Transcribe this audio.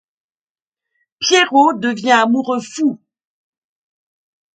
Pierrot devient amoureux fou.